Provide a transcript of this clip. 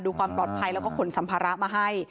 ความปลอดภัยแล้วก็ขนสัมภาระมาให้